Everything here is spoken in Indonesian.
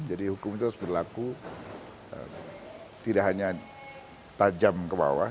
jadi hukum itu harus berlaku tidak hanya tajam ke bawah